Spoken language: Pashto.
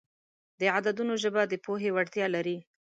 د عددونو ژبه د پوهې وړتیا لري.